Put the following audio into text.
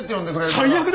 最悪だ！